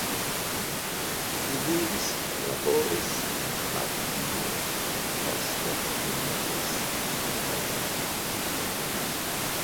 Li vivis kaj laboris en Ĥarkivo kaj poste elmigris al Brazilo.